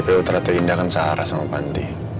tpp teratinda kan sahara sama panti